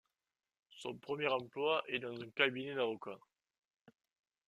Son premier emploi est dans un cabinet d'avocats.